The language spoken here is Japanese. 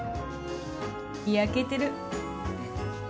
焼けてる。